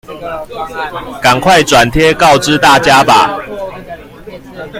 趕快轉貼告知大家吧！